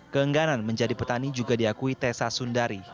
keengganan menjadi petani juga diakui tessa sundari